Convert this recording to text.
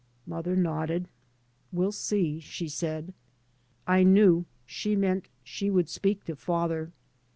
Mother nodded. "We'll see," she said. I knew she meant she would speak to father.